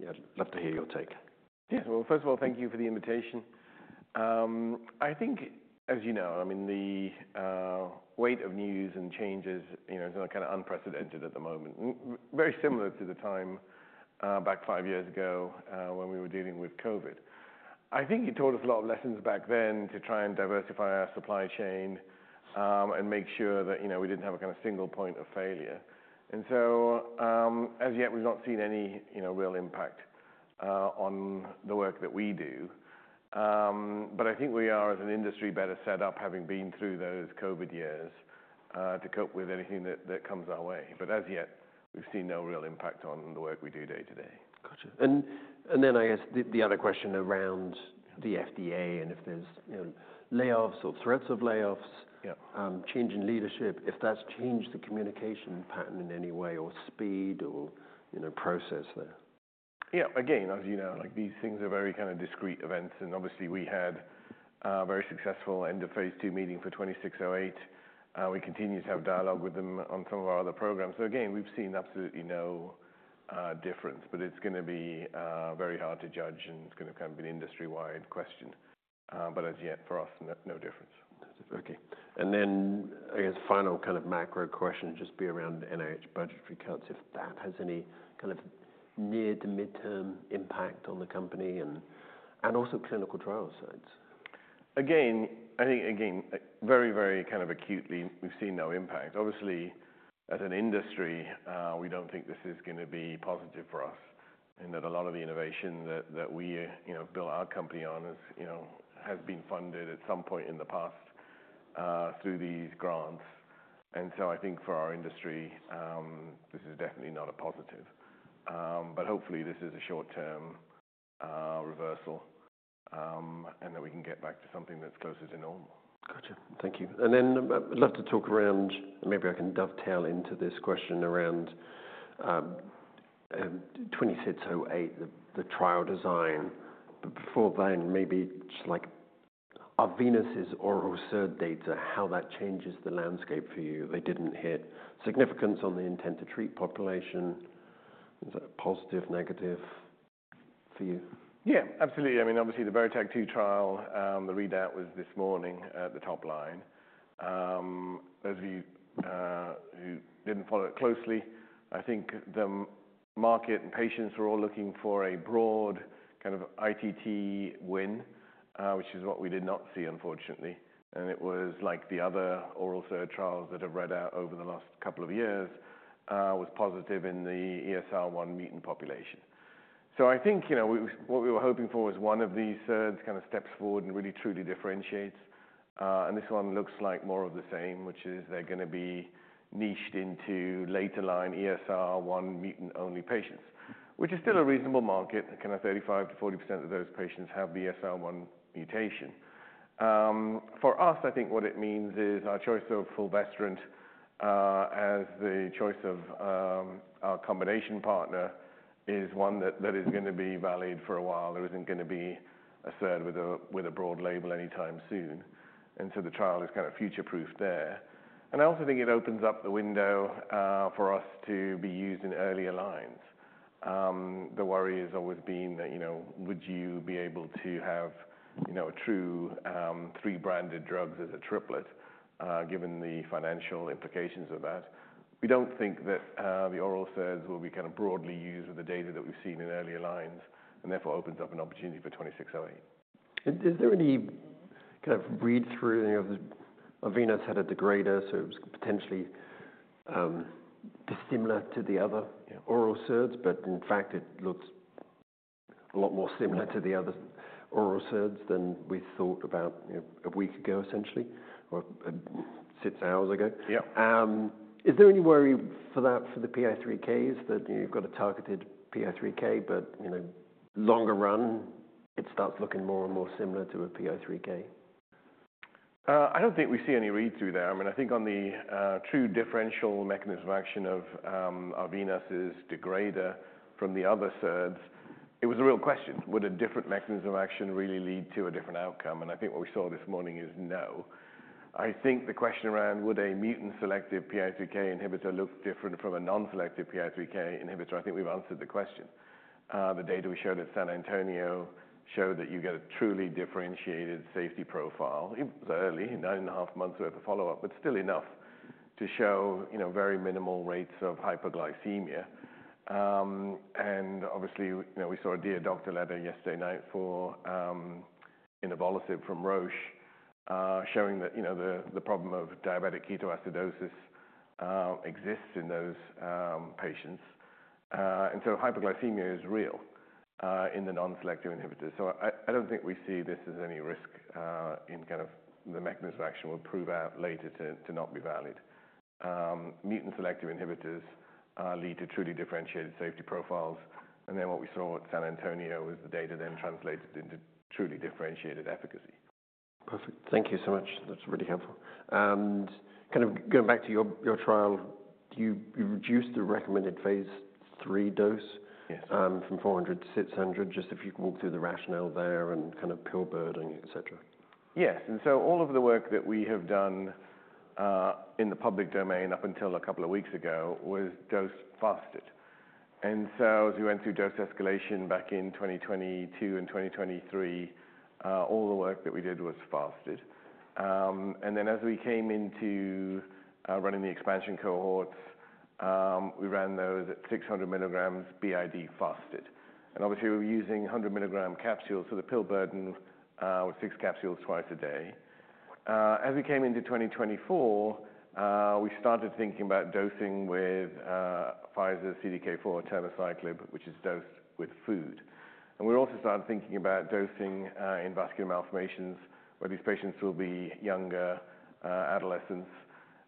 Yeah, I'd love to hear your take. Yeah, first of all, thank you for the invitation. I think, as you know, I mean, the weight of news and changes, you know, is, like, kind of unprecedented at the moment, very similar to the time, back five years ago, when we were dealing with COVID. I think it taught us a lot of lessons back then to try and diversify our supply chain, and make sure that, you know, we did not have a kind of single point of failure. As yet, we have not seen any, you know, real impact on the work that we do. I think we are, as an industry, better set up, having been through those COVID years, to cope with anything that comes our way. As yet, we have seen no real impact on the work we do day to day. Gotcha. I guess the other question around the FDA and if there's, you know, layoffs or threats of layoffs. Yeah. change in leadership, if that's changed the communication pattern in any way or speed or, you know, process there? Yeah. Again, as you know, like, these things are very kind of discrete events. And obviously, we had a very successful end-of-phase II meeting for RLY-2608. We continue to have dialogue with them on some of our other programs. Again, we've seen absolutely no difference, but it's gonna be very hard to judge, and it's gonna kind of be an industry-wide question. As yet, for us, no difference. Okay. I guess, final kind of macro question would just be around NIH budget recalculations, if that has any kind of near-to-mid-term impact on the company and also clinical trial sites. Again, I think, again, very, very kind of acutely, we've seen no impact. Obviously, as an industry, we don't think this is gonna be positive for us in that a lot of the innovation that, that we, you know, build our company on has, you know, has been funded at some point in the past, through these grants. I think for our industry, this is definitely not a positive. Hopefully, this is a short-term reversal, and that we can get back to something that's closer to normal. Gotcha. Thank you. I'd love to talk around, maybe I can dovetail into this question around RLY-2608, the trial design. Before then, maybe just, like, Arvinas' oral SERD data, how that changes the landscape for you? They didn't hit significance on the intent to treat population. Is that positive, negative for you? Yeah, absolutely. I mean, obviously, the VERITAC-2 trial, the readout was this morning at the top line. Those of you who didn't follow it closely, I think the market and patients were all looking for a broad kind of ITT win, which is what we did not see, unfortunately. It was, like, the other oral SERD trials that have read out over the last couple of years, positive in the ESR1 mutant population. I think, you know, what we were hoping for was one of these SERDs kind of steps forward and really truly differentiates. This one looks like more of the same, which is they're gonna be niched into later-line ESR1 mutant-only patients, which is still a reasonable market. Kind of 35%-40% of those patients have the ESR1 mutation. For us, I think what it means is our choice of fulvestrant, as the choice of our combination partner, is one that is gonna be valid for a while. There isn't gonna be a SERD with a broad label anytime soon. The trial is kind of future-proof there. I also think it opens up the window for us to be used in earlier lines. The worry has always been that, you know, would you be able to have, you know, a true, three-branded drugs as a triplet, given the financial implications of that? We don't think that the oral SERDs will be kind of broadly used with the data that we've seen in earlier lines, and therefore opens up an opportunity for RLY-2608. Is there any kind of read-through, you know, of the, Arvinas had a degrader, so it was potentially dissimilar to the other. Yeah. Oral SERDs, but in fact, it looks a lot more similar to the other oral SERDs than we thought about, you know, a week ago, essentially, or six hours ago. Yeah. Is there any worry for that, for the PI3Ks, that, you know, you've got a targeted PI3Kα, but, you know, longer run, it starts looking more and more similar to a PI3Kα? I don't think we see any read-through there. I mean, I think on the true differential mechanism of action of Arvinas's degrader from the other SERDs, it was a real question. Would a different mechanism of action really lead to a different outcome? I think what we saw this morning is no. I think the question around would a mutant-selective PI3Kα inhibitor look different from a non-selective PI3Kα inhibitor, I think we've answered the question. The data we showed at San Antonio showed that you get a truly differentiated safety profile. It was early, nine and a half months' worth of follow-up, but still enough to show, you know, very minimal rates of hyperglycemia. Obviously, you know, we saw a dear doctor letter yesterday night for inavolisib from Roche, showing that, you know, the problem of diabetic ketoacidosis exists in those patients. Hyperglycemia is real, in the non-selective inhibitors. I don't think we see this as any risk, in kind of the mechanism of action will prove out later to not be valid. Mutant-selective inhibitors lead to truly differentiated safety profiles. What we saw at San Antonio was the data then translated into truly differentiated efficacy. Perfect. Thank you so much. That's really helpful. Kind of going back to your trial, you reduced the recommended phase III dose. Yes. from 400 to 600, just if you could walk through the rationale there and kind of pill burden, etc. Yes. All of the work that we have done in the public domain up until a couple of weeks ago was dosed fasted. As we went through dose escalation back in 2022 and 2023, all the work that we did was fasted. As we came into running the expansion cohorts, we ran those at 600 mg BID fasted. Obviously, we were using 100 mg capsules, so the pill burden was six capsules twice a day. As we came into 2024, we started thinking about dosing with Pfizer's CDK4, palbociclib, which is dosed with food. We also started thinking about dosing in vascular malformations, where these patients will be younger, adolescents.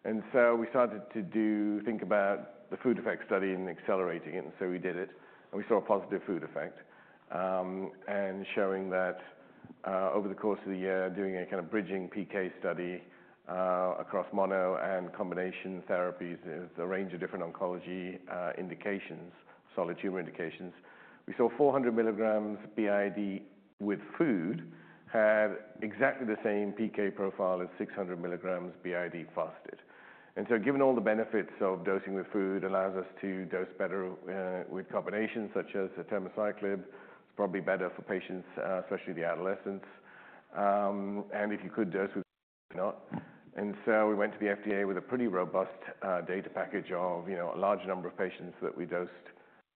We started to think about the food effect study and accelerating it. We did it, and we saw a positive food effect, showing that, over the course of the year, doing a kind of bridging PK study across mono and combination therapies with a range of different oncology indications, solid tumor indications, we saw 400 mg BID with food had exactly the same PK profile as 600 mg BID fasted. Given all the benefits of dosing with food, it allows us to dose better with combinations such as the atirmociclib. It's probably better for patients, especially the adolescents, and if you could dose with food, not. We went to the FDA with a pretty robust data package of, you know, a large number of patients that we dosed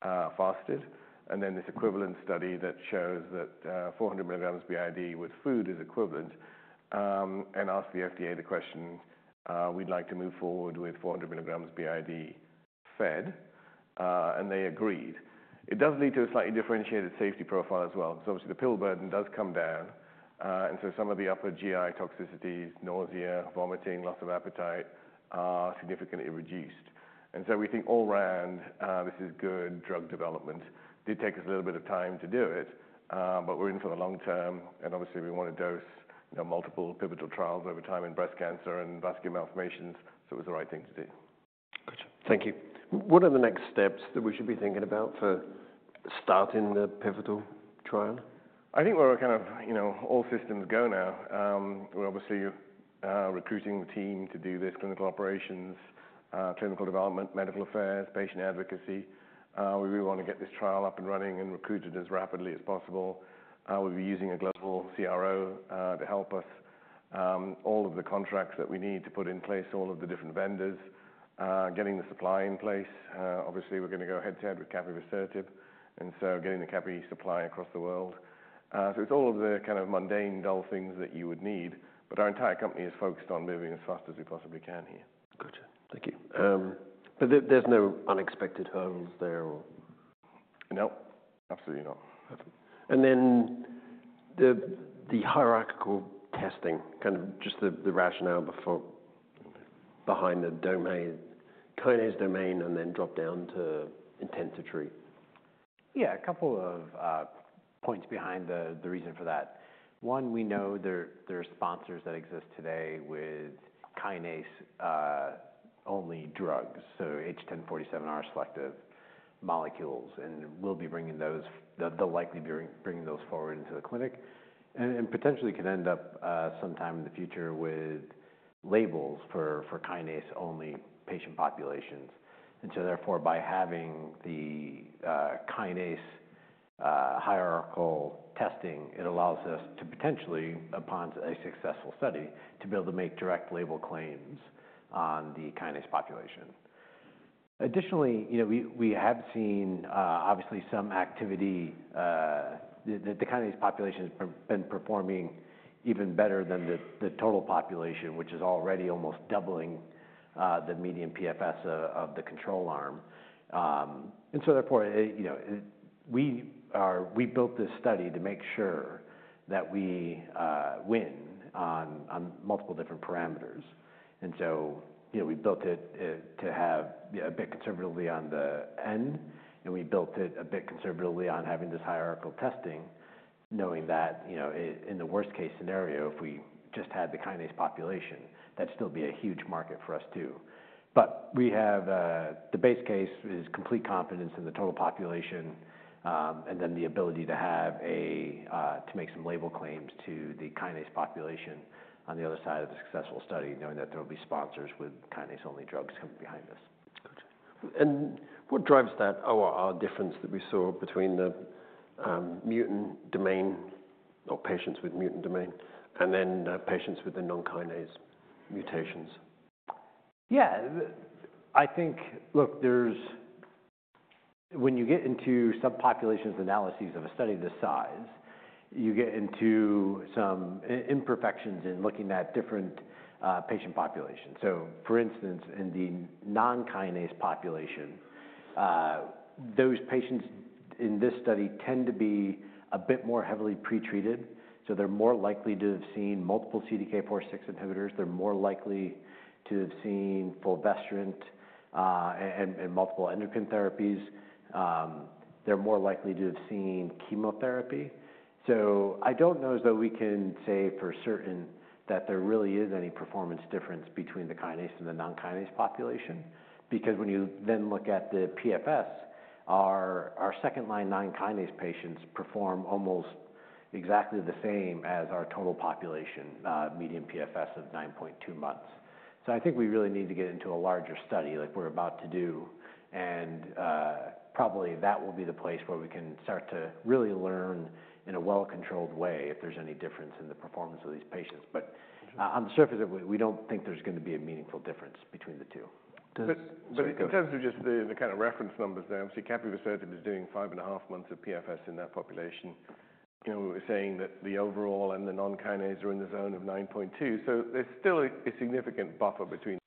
fasted, and then this equivalent study that shows that, 400 mg BID With food is equivalent, and asked the FDA the question, we'd like to move forward with 400 mg BID fed, and they agreed. It does lead to a slightly differentiated safety profile as well because obviously, the pill burden does come down. Some of the upper GI toxicities, nausea, vomiting, loss of appetite, are significantly reduced. We think all round, this is good drug development. Did take us a little bit of time to do it, but we're in for the long term, and obviously, we want to dose, you know, multiple pivotal trials over time in breast cancer and vascular malformations, so it was the right thing to do. Gotcha. Thank you. What are the next steps that we should be thinking about for starting the pivotal trial? I think we're kind of, you know, all systems go now. We're obviously recruiting the team to do this: clinical operations, clinical development, medical affairs, patient advocacy. We really want to get this trial up and running and recruited as rapidly as possible. We'll be using a global CRO to help us, all of the contracts that we need to put in place, all of the different vendors, getting the supply in place. Obviously, we're gonna go head to head with capivasertib, and so getting the capivasertib supply across the world. It's all of the kind of mundane, dull things that you would need, but our entire company is focused on moving as fast as we possibly can here. Gotcha. Thank you. There's no unexpected hurdles there or? No, absolutely not. Perfect. The hierarchical testing, kind of just the rationale before behind the domain, kinase domain, and then drop down to intent to treat. Yeah, a couple of points behind the reason for that. One, we know there are sponsors that exist today with kinase-only drugs, so H1047R selective molecules, and we'll be bringing those, they'll likely be bringing those forward into the clinic, and potentially could end up sometime in the future with labels for kinase-only patient populations. Therefore, by having the kinase hierarchical testing, it allows us to potentially, upon a successful study, to be able to make direct label claims on the kinase population. Additionally, you know, we have seen, obviously, some activity, the kinase population has been performing even better than the total population, which is already almost doubling the median PFS of the control arm. Therefore, we built this study to make sure that we win on multiple different parameters. We built it a bit conservatively on the end, and we built it a bit conservatively on having this hierarchical testing, knowing that in the worst-case scenario, if we just had the kinase population, that would still be a huge market for us too. We have the base case as complete confidence in the total population, and then the ability to make some label claims to the kinase population on the other side of the successful study, knowing that there will be sponsors with kinase-only drugs coming behind us. Gotcha. What drives that, our difference that we saw between the mutant domain or patients with mutant domain and then patients with the non-kinase mutations? Yeah, I think, look, there's, when you get into subpopulation analyses of a study this size, you get into some imperfections in looking at different patient populations. For instance, in the non-kinase population, those patients in this study tend to be a bit more heavily pretreated, so they're more likely to have seen multiple CDK4/6 inhibitors. They're more likely to have seen fulvestrant, and multiple endocrine therapies. They're more likely to have seen chemotherapy. I don't know as though we can say for certain that there really is any performance difference between the kinase and the non-kinase population because when you then look at the PFS, our second-line non-kinase patients perform almost exactly the same as our total population, median PFS of 9.2 months. I think we really need to get into a larger study like we're about to do, and probably that will be the place where we can start to really learn in a well-controlled way if there's any difference in the performance of these patients. On the surface of it, we don't think there's gonna be a meaningful difference between the two. Does? In terms of just the, the kind of reference numbers there, obviously, capivasertib is doing five and a half months of PFS in that population. You know, we were saying that the overall and the non-kinase are in the zone of 9.2, so there's still a significant buffer between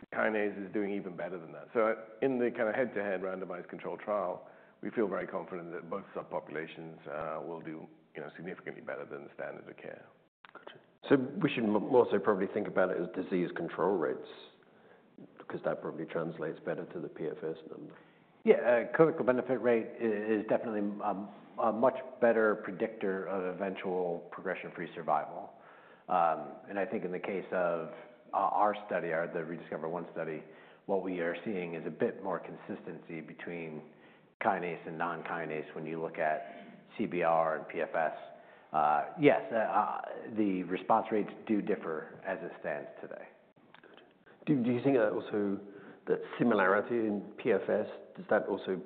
the kinase is doing even better than that. So in the kind of head-to-head randomized controlled trial, we feel very confident that both subpopulations will do, you know, significantly better than the standard of care. Gotcha. We should mostly probably think about it as disease control rates because that probably translates better to the PFS number. Yeah, clinical benefit rate is definitely a, a much better predictor of eventual progression-free survival. I think in the case of our study, the ReDiscover phase I study, what we are seeing is a bit more consistency between kinase and non-kinase when you look at CBR and PFS. Yes, the response rates do differ as it stands today. Gotcha. Do you think that also that similarity in PFS, does that also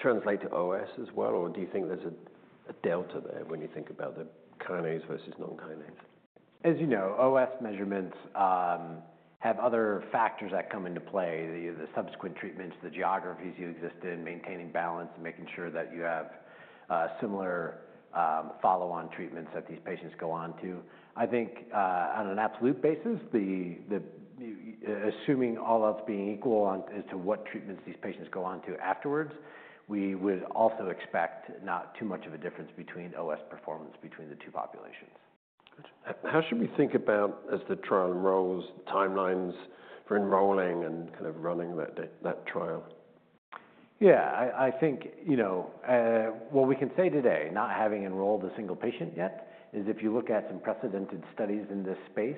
translate to OS as well, or do you think there's a delta there when you think about the kinase versus non-kinase? As you know, OS measurements have other factors that come into play, the subsequent treatments, the geographies you exist in, maintaining balance, and making sure that you have similar follow-on treatments that these patients go on to. I think, on an absolute basis, assuming all else being equal as to what treatments these patients go on to afterwards, we would also expect not too much of a difference between OS performance between the two populations. Gotcha. How should we think about, as the trial enrolls, timelines for enrolling and kind of running that day, that trial? Yeah, I think, you know, what we can say today, not having enrolled a single patient yet, is if you look at some precedented studies in this space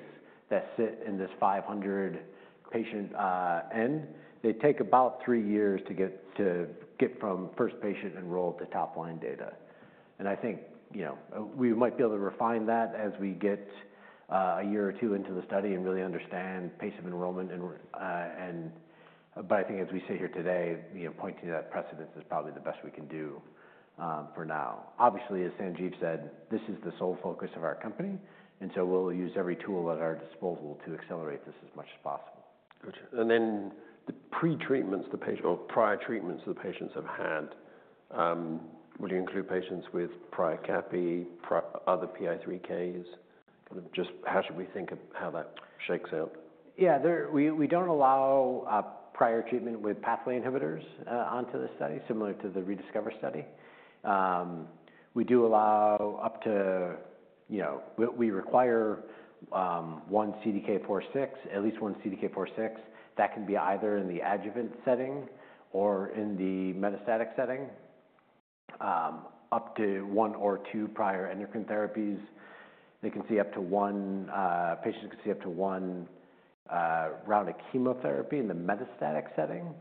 that sit in this 500-patient end, they take about three years to get from first patient enrolled to top-line data. I think, you know, we might be able to refine that as we get a year or two into the study and really understand patient enrollment, but I think as we sit here today, you know, pointing to that precedence is probably the best we can do for now. Obviously, as Sanjiv said, this is the sole focus of our company, and so we'll use every tool at our disposal to accelerate this as much as possible. Gotcha. And then the pretreatments the patient or prior treatments the patients have had, would you include patients with prior capivasertib, prior other PI3Ks? Kind of just how should we think of how that shakes out? Yeah, we don't allow prior treatment with pathway inhibitors onto the study, similar to the ReDiscover study. We do allow up to, you know, we require at least one CDK4/6. That can be either in the adjuvant setting or in the metastatic setting. Up to one or two prior endocrine therapies, they can see up to one, patients can see up to one round of chemotherapy in the metastatic setting,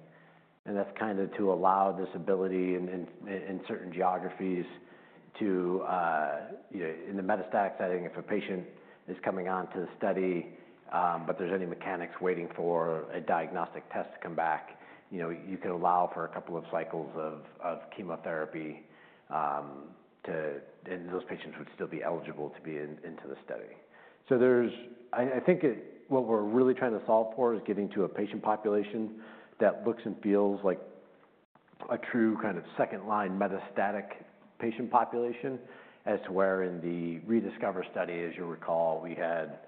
and that's kind of to allow this ability in certain geographies to, you know, in the metastatic setting, if a patient is coming on to the study, but there's any mechanics waiting for a diagnostic test to come back, you know, you could allow for a couple of cycles of chemotherapy, and those patients would still be eligible to be into the study. I think what we're really trying to solve for is getting to a patient population that looks and feels like a true kind of second-line metastatic patient population, as to where in the ReDiscover study, as you'll recall, we had,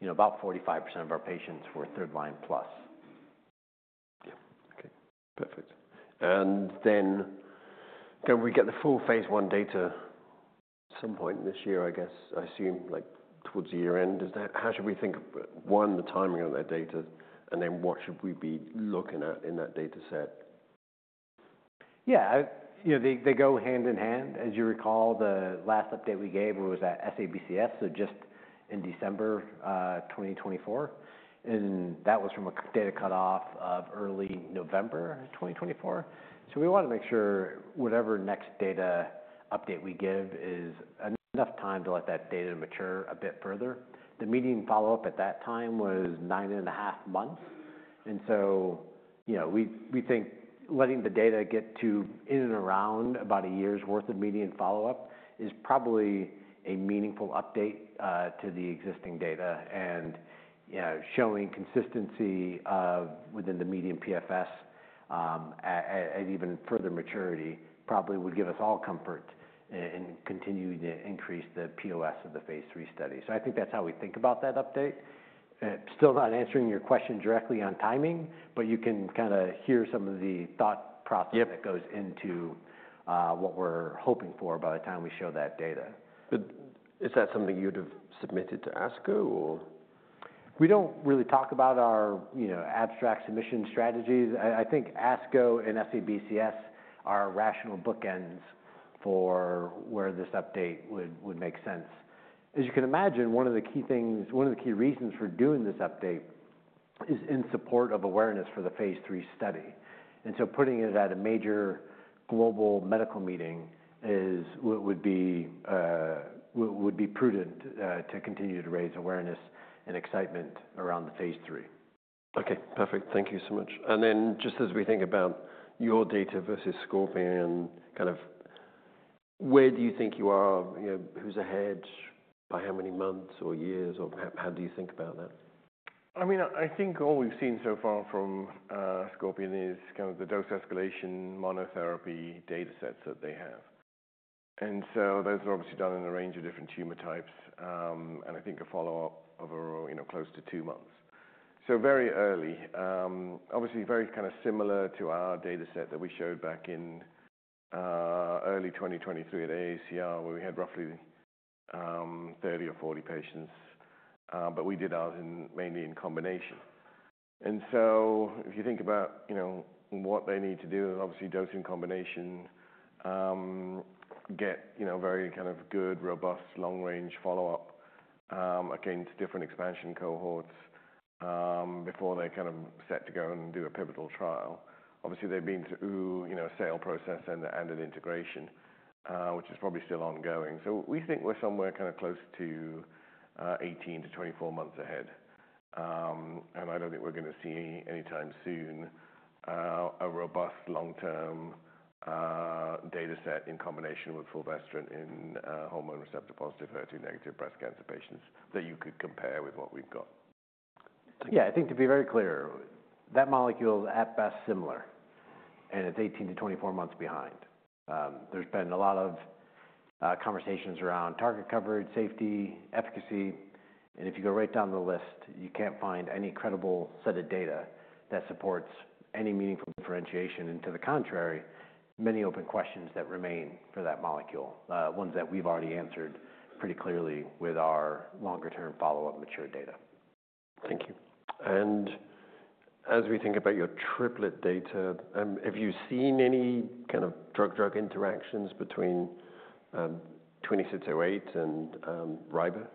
you know, about 45% of our patients were third-line plus. Yeah, okay. Perfect. Can we get the full phase I data at some point this year, I guess, I assume, like towards the year end? Is that how should we think of, one, the timing of that data, and then what should we be looking at in that data set? Yeah, I, you know, they go hand in hand. As you recall, the last update we gave was at SABCS, so just in December 2024, and that was from a data cutoff of early November 2024. We want to make sure whatever next data update we give is enough time to let that data mature a bit further. The median follow-up at that time was nine and a half months, and, you know, we think letting the data get to in and around about a year's worth of median follow-up is probably a meaningful update to the existing data, and, you know, showing consistency of within the median PFS, at even further maturity probably would give us all comfort in continuing to increase the POS of the phase III study. I think that's how we think about that update. Still not answering your question directly on timing, but you can kind of hear some of the thought process. Yeah. That goes into what we're hoping for by the time we show that data. Is that something you'd have submitted to ASCO or? We don't really talk about our, you know, abstract submission strategies. I think ASCO and SABCS are rational bookends for where this update would make sense. As you can imagine, one of the key things, one of the key reasons for doing this update is in support of awareness for the phase III study, and so putting it at a major global medical meeting would be prudent, to continue to raise awareness and excitement around the phase III. Okay, perfect. Thank you so much. Just as we think about your data versus Scorpion, kind of where do you think you are? You know, who's ahead by how many months or years, or how do you think about that? I mean, I think all we've seen so far from Scorpion is kind of the dose escalation monotherapy data sets that they have, and those are obviously done in a range of different tumor types, and I think a follow-up of, you know, close to two months. Very early, obviously very kind of similar to our data set that we showed back in early 2023 at AACR, where we had roughly 30 or 40 patients, but we did ours mainly in combination. If you think about, you know, what they need to do, obviously dose in combination, get, you know, very kind of good, robust, long-range follow-up, against different expansion cohorts, before they're kind of set to go and do a pivotal trial. Obviously, they've been through, you know, a sale process and an integration, which is probably still ongoing. We think we're somewhere kind of close to 18-24 months ahead, and I don't think we're gonna see anytime soon a robust long-term data set in combination with fulvestrant in hormone receptor positive, HER2-negative breast cancer patients that you could compare with what we've got. Yeah, I think to be very clear, that molecule's at best similar, and it's 18-24 months behind. There's been a lot of conversations around target coverage, safety, efficacy, and if you go right down the list, you can't find any credible set of data that supports any meaningful differentiation. To the contrary, many open questions remain for that molecule, ones that we've already answered pretty clearly with our longer-term follow-up mature data. Thank you. As we think about your triplet data, have you seen any kind of drug-drug interactions between RLY-2608 and ribociclib?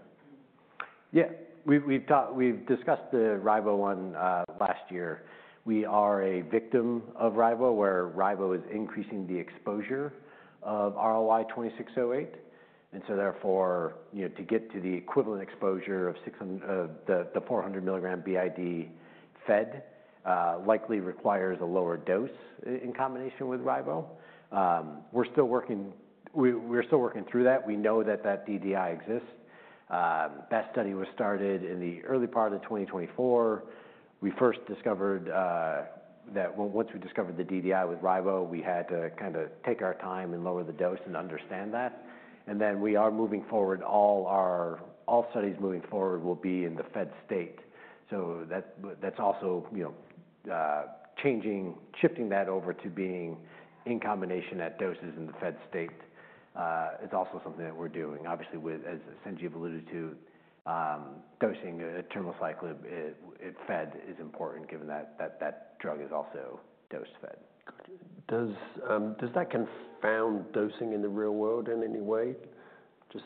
Yeah, we've discussed the ribociclib one last year. We are a victim of ribociclib where ribociclib is increasing the exposure of RLY-2608, and so therefore, you know, to get to the equivalent exposure of 600, the 400 mg BID fed likely requires a lower dose in combination with ribociclib. We're still working through that. We know that that DDI exists. That study was started in the early part of 2024. Once we discovered the DDI with ribociclib, we had to kind of take our time and lower the dose and understand that. We are moving forward. All studies moving forward will be in the fed state, so that's also, you know, changing, shifting that over to being in combination at doses in the fed state, is also something that we're doing. Obviously, with, as Sanjiv alluded to, dosing, atirmociclib, it fed is important given that drug is also dose fed. Gotcha. Does that confound dosing in the real world in any way, just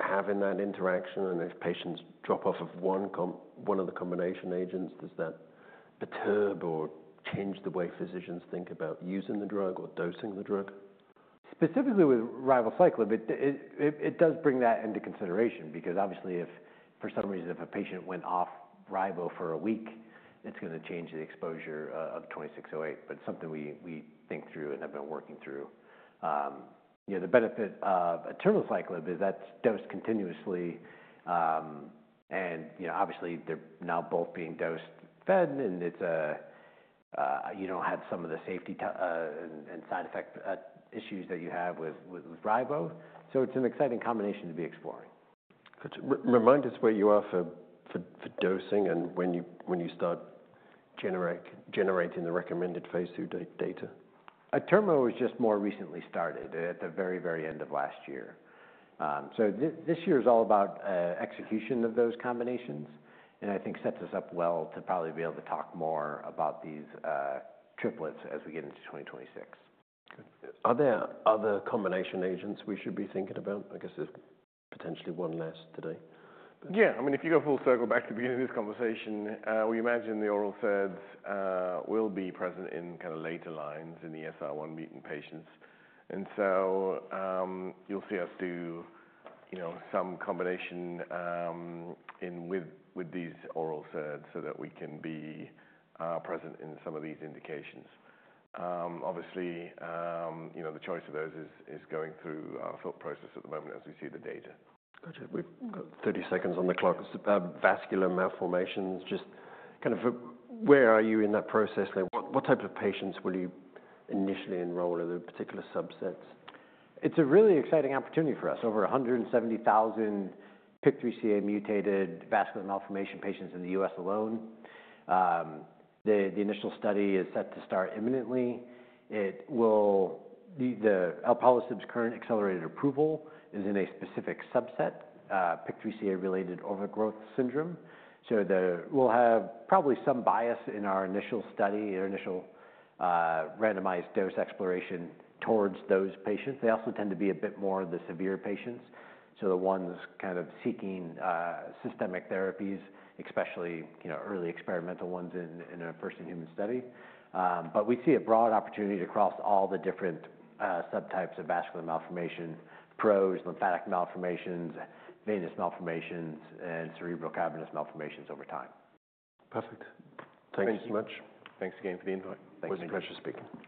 having that interaction? And if patients drop off of one of the combination agents, does that perturb or change the way physicians think about using the drug or dosing the drug? Specifically with ribociclib, it does bring that into consideration because obviously, if for some reason, if a patient went off ribociclib for a week, it's gonna change the exposure of RLY-2608, but it's something we think through and have been working through. You know, the benefit of atirmociclib is that's dosed continuously, and, you know, obviously, they're now both being dosed fed, and it's a, you don't have some of the safety TI and side effect issues that you have with ribociclib, so it's an exciting combination to be exploring. Gotcha. Remind us where you are for dosing and when you start generating the recommended phase II data. Atirmociclib was just more recently started at the very, very end of last year. This year is all about execution of those combinations, and I think sets us up well to probably be able to talk more about these triplets as we get into 2026. Good. Are there other combination agents we should be thinking about? I guess there's potentially one less today, but. Yeah, I mean, if you go full circle back to the beginning of this conversation, we imagine the oral SERDs will be present in kind of later lines in the ESR1 mutant patients, and so, you'll see us do, you know, some combination in with, with these oral SERDs so that we can be present in some of these indications. Obviously, you know, the choice of those is going through our thought process at the moment as we see the data. Gotcha. We've got 30 seconds on the clock. Vascular malformations, just kind of where are you in that process? Like, what type of patients will you initially enroll in the particular subsets? It's a really exciting opportunity for us. Over 170,000 PIK3CA mutated vascular malformation patients in the U.S. alone. The initial study is set to start imminently. Alpelisib's current accelerated approval is in a specific subset, PIK3CA-related overgrowth syndrome, so we'll have probably some bias in our initial study, our initial randomized dose exploration towards those patients. They also tend to be a bit more the severe patients, so the ones kind of seeking systemic therapies, especially, you know, early experimental ones in a first-in-human study. We see a broad opportunity to cross all the different subtypes of vascular malformation: PROS, lymphatic malformations, venous malformations, and cerebral cavernous malformations over time. Perfect. Thanks so much. Thanks again for the invite. Thank you. It was a pleasure speaking.